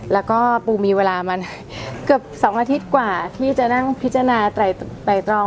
แล้วก็ปูมีเวลามาเกือบ๒อาทิตย์กว่าที่จะนั่งพิจารณาไตรตรอง